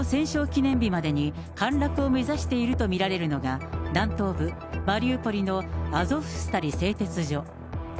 記念日までに陥落を目指していると見られるのが、南東部マリウポリのアゾフスタリ製鉄所。